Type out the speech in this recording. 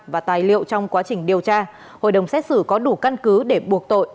và tài liệu trong quá trình điều tra hội đồng xét xử có đủ căn cứ để buộc tội